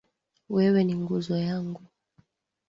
Wewe ni nguzo yangu .